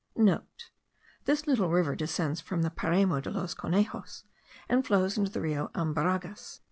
(* This little river descends from the Paramo de los Conejos, and flows into the Rio Albarregas.)